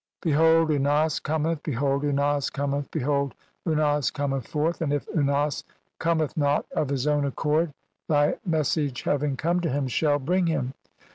(L. 468) "Behold Unas, cometh, behold, Unas cometh, "behold, Unas cometh forth! And if Unas cometh not of "his own accord thy message having come to him shall "bring him.